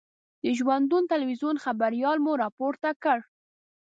د ژوندون تلویزون خبریال مو را پورته کړ.